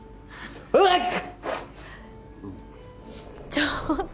ちょっと